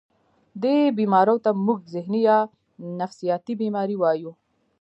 دې بيمارو ته مونږ ذهني يا نفسياتي بيمارۍ وايو